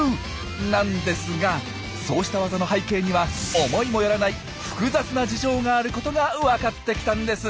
なんですがそうしたワザの背景には思いもよらない複雑な事情があることがわかってきたんです。